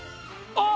あっ！